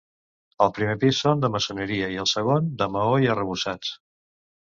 Al primer pis són de maçoneria i al segon de maó i arrebossats.